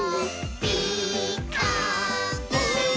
「ピーカーブ！」